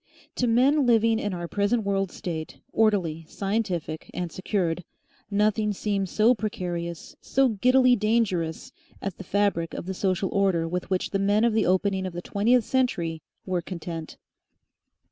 To men living in our present world state, orderly, scientific and secured, nothing seems so precarious, so giddily dangerous, as the fabric of the social order with which the men of the opening of the twentieth century were content.